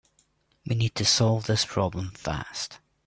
We need to solve this problem fast.